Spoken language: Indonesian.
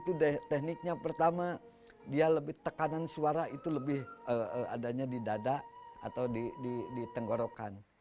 tembang itu tekniknya pertama tekanan suara itu lebih adanya di dada atau di tenggorokan